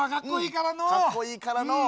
かっこいいからのう。